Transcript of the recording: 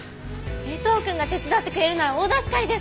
江藤くんが手伝ってくれるなら大助かりです！